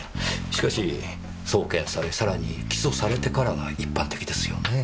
しかし送検されさらに起訴されてからが一般的ですよねぇ？